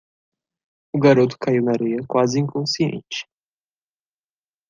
O garoto caiu na areia quase inconsciente.